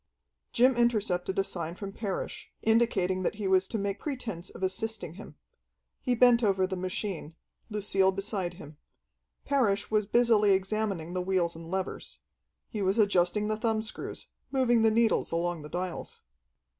Jim intercepted a sign from Parrish, indicating that he was to make pretense of assisting him. He bent over the machine, Lucille beside him. Parrish was busily examining the wheels and levers. He was adjusting the thumbscrews, moving the needles along the dials.